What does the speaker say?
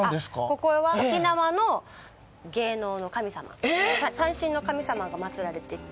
ここは、沖縄の芸能の神様三線の神様が祭られていて。